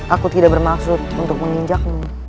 aku tidak bermaksud untuk menginjakmu